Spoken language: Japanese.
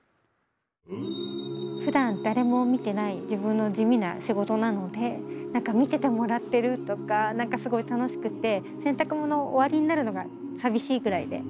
ふだん誰も見てない自分の地味な仕事なので何か見ててもらってるとか何かすごい楽しくて洗濯物終わりになるのが寂しいぐらいで。